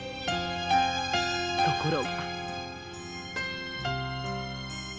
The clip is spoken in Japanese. ところが。